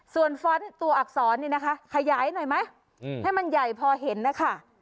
ส่วนฟ้อนต์ตัวอักษรนี่นะคะขยายหน่อยไหมให้มันใหญ่พอเห็นนะคะ